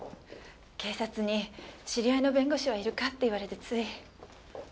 警察に知り合いの弁護士はいるか？って言われてつい。